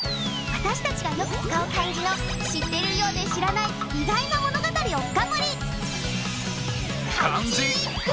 私たちがよく使う漢字の知っているようで知らない意外な物語を深掘り！